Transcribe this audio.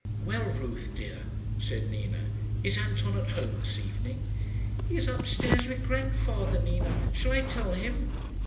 "Well, Ruth dear," said Nina, "is Anton at home this evening?" "He is up stairs with grandfather, Nina. Shall I tell him?"